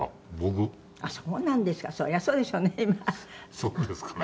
そうですかね？